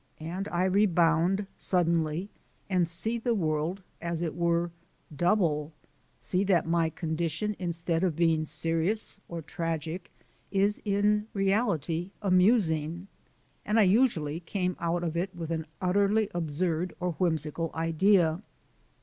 and I rebound suddenly and see the world, as it were, double see that my condition instead of being serious or tragic is in reality amusing and I usually came out of it with an utterly absurd or whimsical idea.